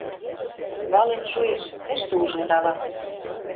Вален шоэш, тӹштӹ ужылдалам.